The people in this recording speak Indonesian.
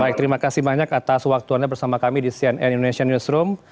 baik terima kasih banyak atas waktu anda bersama kami di cnn indonesia newsroom